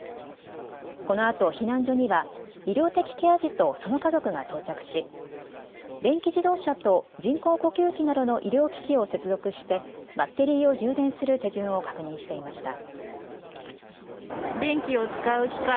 このあと避難所には医療的ケア児とその家族が到着し、電気自動車と人工呼吸器などの医療機器を接続してバッテリーを充電する手順を確認していました。